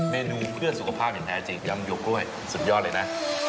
เมนูเพื่อสุขภาพอย่างแท้จริงย้ำยุคด้วยสุดยอดเลยนะ